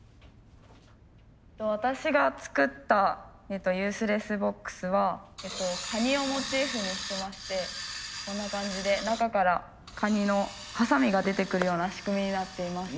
私が作ったユースレスボックスはカニをモチーフにしてましてこんな感じで中からカニのはさみが出てくるような仕組みになっています。